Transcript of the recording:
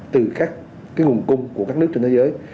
từ các nguồn cung của các nước trên thế giới